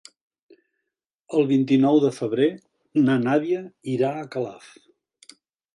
El vint-i-nou de febrer na Nàdia irà a Calaf.